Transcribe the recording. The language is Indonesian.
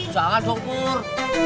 jangan dong pur